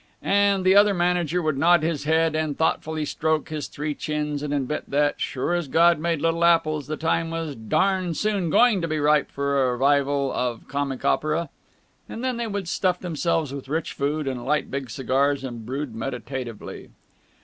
And the other manager would nod his head and thoughtfully stroke his three chins and admit that, sure as God made little apples, the time was darned soon going to be ripe for a revival of comic opera. And then they would stuff themselves with rich food and light big cigars and brood meditatively.